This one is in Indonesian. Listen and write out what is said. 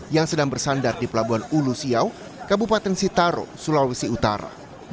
yang sedang bersandar di pelabuhan ulusiau kabupaten sitaro sulawesi utara